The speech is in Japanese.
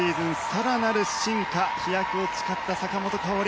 更なる進化飛躍を誓った坂本花織。